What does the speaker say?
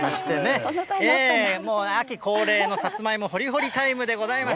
もう秋恒例のさつまいも掘り掘りタイムでございます。